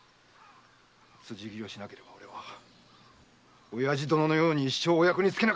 辻斬りをしなければ俺は親父殿のように一生お役につけなかったんだよ！